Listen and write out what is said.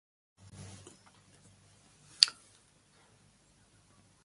Nam li ay kukŋa su vii na, boy lona jivi hay, may suuna ka mindi.